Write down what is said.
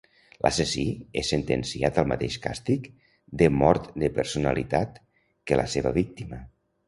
L'assassí és sentenciat al mateix càstig de "mort de personalitat" que la seva víctima.